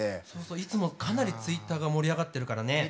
いつもかなりツイッターが盛り上がってるからね。